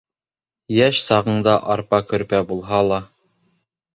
Йәш сағыңда арпа-көрпә булһа ла